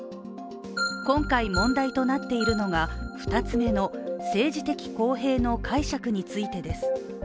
今回、問題となっているのが２つめの政治的公平の解釈についてです。